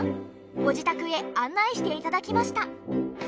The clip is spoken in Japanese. ご自宅へ案内して頂きました。